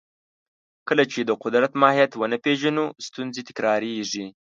کله چې د قدرت ماهیت ونه پېژنو، ستونزې تکراریږي.